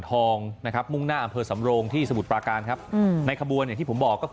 ตรงนี้หนึ่งที่ใกล้สะพานสวนนก